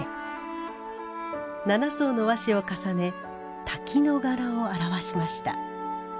７層の和紙を重ね滝の柄を表しました。